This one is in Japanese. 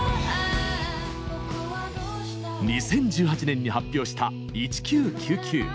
２０１８年に発表した「１９９９」。